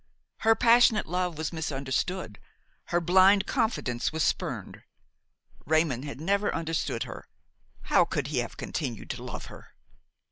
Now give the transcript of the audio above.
Her passionate love was misunderstood, her blind confidence was spurned. Raymon had never understood her; how could he have continued to love her?